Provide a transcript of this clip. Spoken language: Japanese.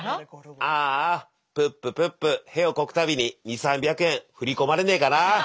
ああプッププップ屁をこく度に２００３００円振り込まれねえかなあ。